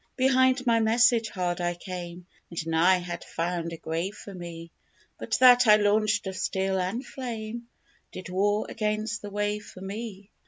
Behind my message hard I came, And nigh had found a grave for me; But that I launched of steel and flame Did war against the wave for me.